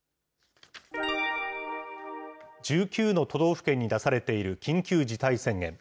１９の都道府県に出されている緊急事態宣言。